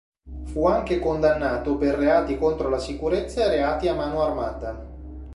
Fu anche condannato per reati contro la sicurezza e reati a mano armata.